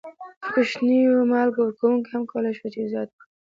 کوچنیو مالیه ورکوونکو هم کولای شوای چې زیان کړي.